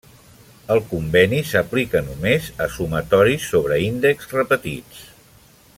El conveni s'aplica només a sumatoris sobre índexs repetits.